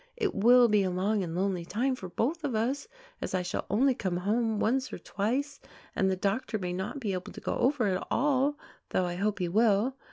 It will be a long and lonely time for both of us, as I shall only come home once or twice and the doctor may not be able to go over at all, though I hope he will.